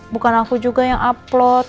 bukan aku juga yang upload